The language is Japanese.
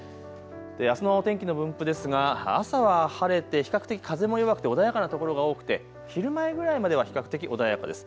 あすの天気の分布ですが朝は晴れて比較的、風も弱くて穏やかな所が多くて昼前ぐらいまでは比較的穏やかです。